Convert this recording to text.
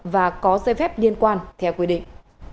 và có giới phép liên quan theo quy định